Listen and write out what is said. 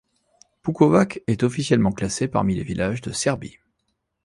Pukovac est officiellement classé parmi les villages de Serbie.